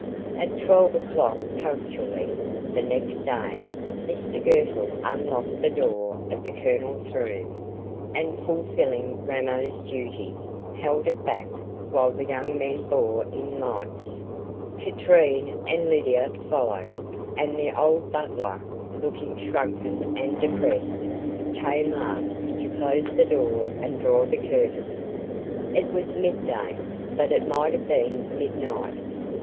At twelve o'clock punctually, the next day, Mr Girtle unlocked the door of the Colonel's room, and fulfilling Ramo's duty, held it back while the young men bore in lights; Katrine and Lydia followed, and the old butler, looking shrunken and depressed, came last, to close the door and draw the curtain. It was mid day, but it might have been midnight.